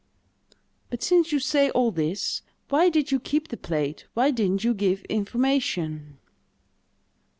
"But, since you say all this, why did you keep the plate—why didn't you give information?"